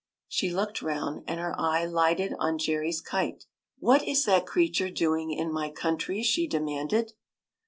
She looked round, and her eye lighted on Jerry's kite. " What is that creature doing in my country ?" she demanded.